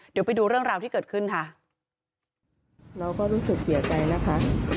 เดี๋ยวไปดูเรื่องราวที่เกิดขึ้นค่ะ